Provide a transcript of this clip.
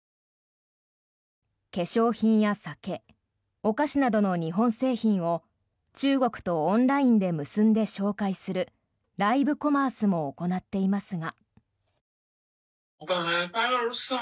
化粧品や酒、お菓子などの日本製品を中国とオンラインで結んで紹介するライブコマースも行っていますが。